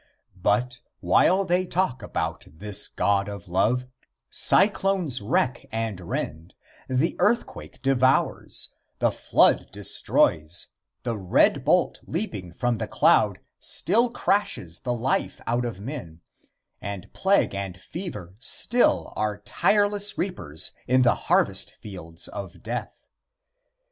But, while they talk about this God of love, cyclones wreck and rend, the earthquake devours, the flood destroys, the red bolt leaping from the cloud still crashes the life out of men, and plague and fever still are tireless reapers in the harvest fields of death.